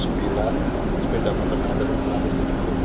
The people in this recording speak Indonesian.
jadi tadi saya sudah bergerak dengan stakeholder dari kemarin